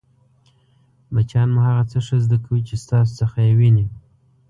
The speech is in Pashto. بچیان مو هغه څه ښه زده کوي چې ستاسو څخه يې ویني!